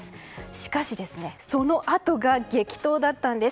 しかし、そのあとが激闘だったんです。